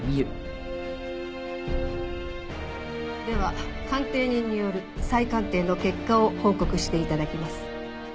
では鑑定人による再鑑定の結果を報告して頂きます。